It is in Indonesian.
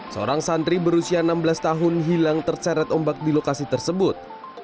seorang santri berusia enam belas tahun hilang terseret ombak di lokasi tersebut